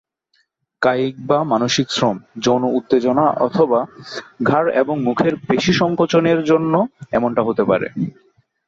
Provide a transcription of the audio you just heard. কায়িক বা মানসিক শ্রম, যৌন উত্তেজনা অথবা ঘাড় এবং মুখের পেশী সংকোচন এর জন্য এমনটা হতে পারে।